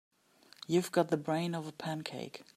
You've got the brain of a pancake.